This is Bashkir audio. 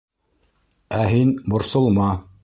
Ә һин... борсолма...